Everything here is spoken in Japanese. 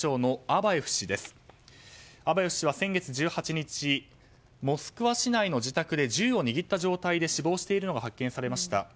アバエフ氏は先月１８日モスクワ市内の自宅で銃を握った状態で死亡しているのが発見されました。